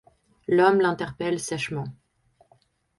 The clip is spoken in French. L'homme l'interpelle sèchement.